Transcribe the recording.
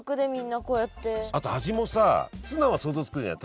あと味もさツナは想像付くじゃない。